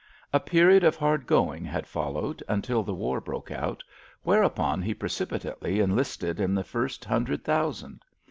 A period of hard going had followed, until the war broke out, whereupon he precipitately enlisted in the first hundred thousand.